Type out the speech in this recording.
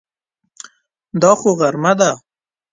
دا خو غرمه ده!